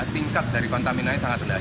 tingkat dari kontaminannya sangat rendah